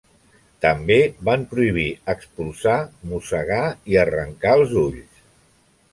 També van prohibir expulsar, mossegar i arrencar els ulls.